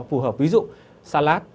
phù hợp ví dụ salad